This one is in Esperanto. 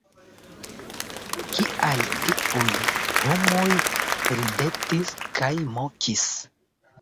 Kial tiuj homoj ridetis kaj mokis?